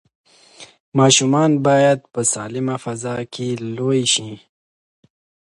ماشومان باید په سالمه فضا کې لوی شي.